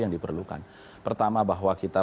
yang diperlukan pertama bahwa kita